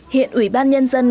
hiện ủy ban nhân dân